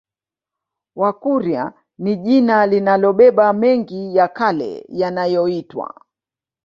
Wakurya ni jina linalobeba mengi ya yale yanaoyoitwa